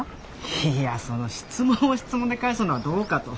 いやその質問を質問で返すのはどうかと。